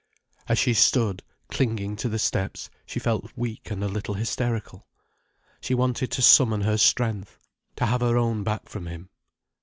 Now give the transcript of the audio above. As she stood clinging to the steps she felt weak and a little hysterical. She wanted to summon her strength, to have her own back from him.